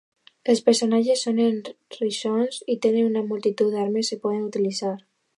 Els personatges són eriçons i tenen una multitud d'armes que poden utilitzar.